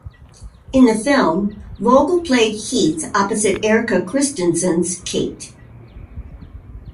In the film, Vogel played Heath opposite Erika Christensen's Kate.